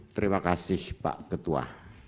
terima kasih pak ketua